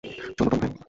চলো, টমি ভাই।